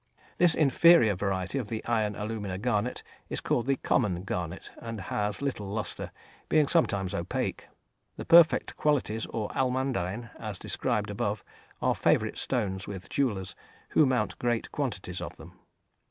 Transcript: This inferior variety of the iron alumina garnet is called the "common" garnet, and has little lustre, being sometimes opaque. The perfect qualities, or almandine, as described above, are favourite stones with jewellers, who mount great quantities of them.